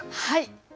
はい。